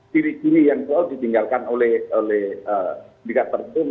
ciri ciri yang selalu ditinggalkan oleh indikat tersebut